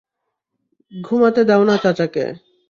ঘুমাতে দেও না, চাচাকে।